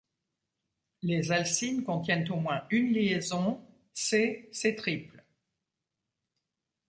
Les alcynes contiennent au moins une liaison C-C triple.